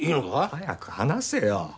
早く話せよ！